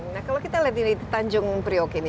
nah kalau kita lihat di tanjung priok ini